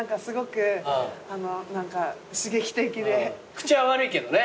口は悪いけどね。